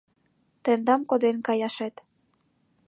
Тендам коден каяшет.